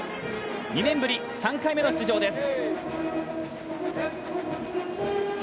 ２年ぶり３回目の出場です。